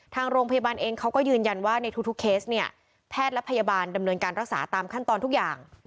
ทางโรงพยาบาลเองเขาก็ยืนยันว่าในทุกเคสเนี่ยแพทย์และพยาบาลดำเนินการรักษาตามขั้นตอนทุกอย่าง